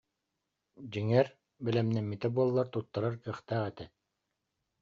Дьиҥэр, бэлэмнэммитэ буоллар туттарар кыахтаах этэ